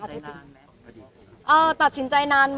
แต่ที่ได้ออกรายการด้วยอะไรอย่างนี้ตัดสินใจนานไหม